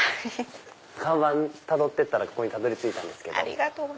看板たどってったらここにたどり着いたんですけど。